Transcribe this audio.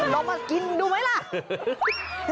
ลองมากินดูไหมล่ะ